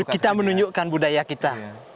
kita menunjukkan budaya kita